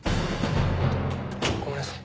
ごめんなさい。